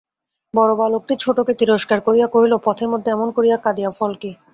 বড়ো বালকটি ছোটোকে তিরস্কার করিয়া কহিল, পথের মধ্যে এমন করিয়া কাঁদিয়া ফল কী?